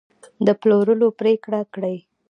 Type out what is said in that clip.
د پلورلو پرېکړه کړې